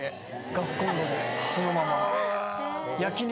ガスコンロでそのまま。